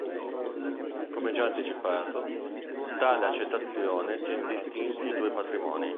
Come già anticipato, tale accettazione tiene distinti i due patrimoni.